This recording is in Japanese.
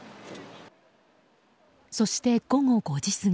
そして、午後５時過ぎ。